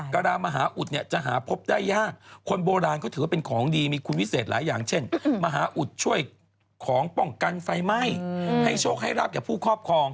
กระดามหาอุดเนี่ยจะหาพบได้ยากคนโบราณเขาถือว่าเป็นของดีมีคุณวิเศษหลายอย่างเช่นมหาอุดช่วยของป้องกันไฟไหม้ให้โชคให้ราบแก่ผู้ครอบครอง